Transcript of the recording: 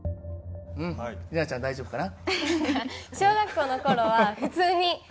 うん里奈ちゃん大丈夫かな？